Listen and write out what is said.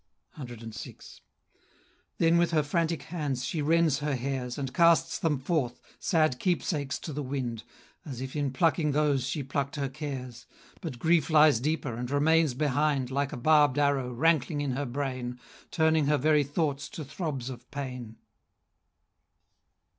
CVI. Then with her frantic hands she rends her hairs, And casts them forth, sad keepsakes to the wind, As if in plucking those she plucked her cares; But grief lies deeper, and remains behind Like a barb'd arrow, rankling in her brain, Turning her very thoughts to throbs of pain.